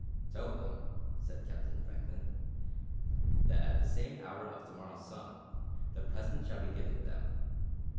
"Tell them," said Captain Franklin, "that at the same hour of to morrow's sun, the presents shall be given them.